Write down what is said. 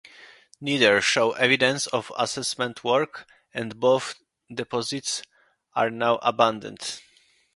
Neither show evidence of assessment work, and both deposits are now abandoned.